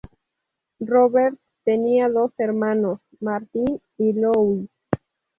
Robert tenía dos hermanos, Martin y Louis.